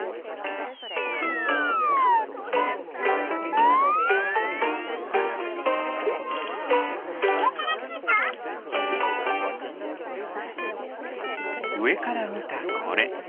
うえからみたこれ。